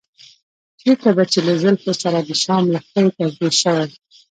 چېرته به چې له زلفو سره د شام لښکرې تشبیه شوې.